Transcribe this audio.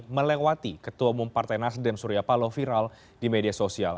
melewati ketua umum partai nasdem surya paloh viral di media sosial